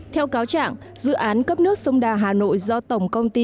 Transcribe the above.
theo cáo trạng dự án cấp nước sông đà hà nội do tổng công ty